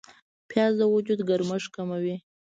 پیاز د وجود ګرمښت کموي